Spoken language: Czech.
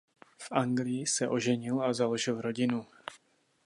V Anglii se oženil a založil rodinu.